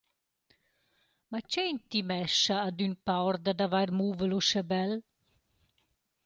Ma che intimescha ad ün paur dad avair muvel uschè bel?